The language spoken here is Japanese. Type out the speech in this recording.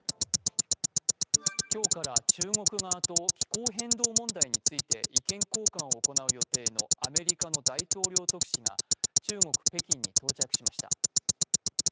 今日から中国側と気候変動問題について意見交換を行う予定のアメリカの大統領特使が中国・北京に到着しました。